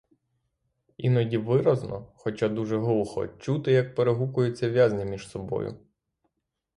Іноді виразно, хоча дуже глухо, чути, як перегукуються в'язні між собою.